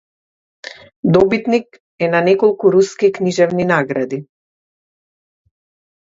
Добитник е на неколку руски книжевни награди.